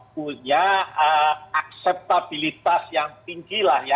punya akseptabilitas yang tinggi